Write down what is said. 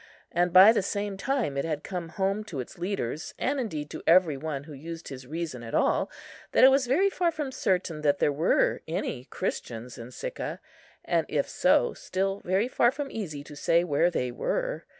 And by the same time it had come home to its leaders, and, indeed, to every one who used his reason at all, that it was very far from certain that there were any Christians in Sicca, and if so, still very far from easy to say where they were.